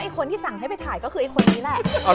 คนที่สั่งให้ไปถ่ายก็คือไอ้คนนี้แหละ